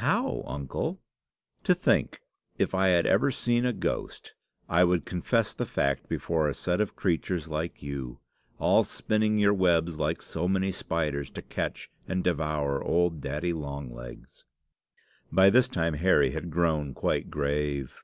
"How, uncle?" "To think, if I had ever seen a ghost, I would confess the fact before a set of creatures like you all spinning your webs like so many spiders to catch and devour old Daddy Longlegs." By this time Harry had grown quite grave.